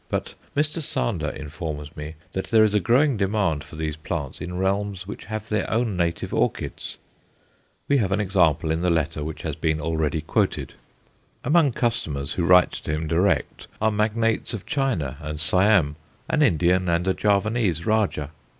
But Mr. Sander informs me that there is a growing demand for these plants in realms which have their own native orchids. We have an example in the letter which has been already quoted. Among customers who write to him direct are magnates of China and Siam, an Indian and a Javanese rajah.